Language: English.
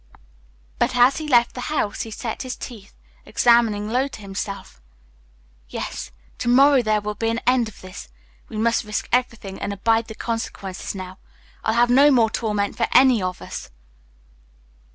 But as he left the house he set his teeth, exclaiming low to himself, "Yes, tomorrow there shall be an end of this! We must risk everything and abide the consequences now. I'll have no more torment for any of us."